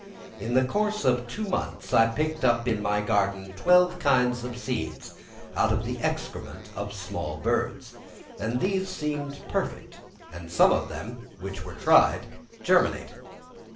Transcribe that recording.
In the course of two months, I picked up in my garden twelve kinds of seeds, out of the excrement of small birds, and these seemed perfect, and some of them, which were tried, germinated.